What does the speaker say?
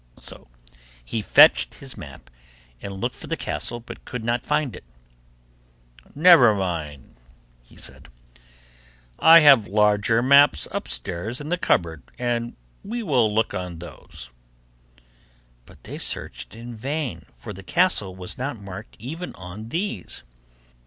So he fetched his map, and looked for the castle, but could not find it. 'Never mind,' he said, 'I have larger maps upstairs in the cupboard, we will look on those,' but they searched in vain, for the castle was not marked even on these.